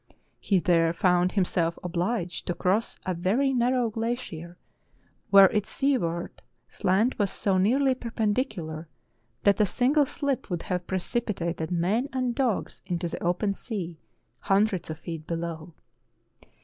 He there found himself obliged to cross a very narrow glacier, where its seaward slant was so nearly perpendicular that a single sHp would have precipitated men and dogs into the open sea, hundreds of feet below.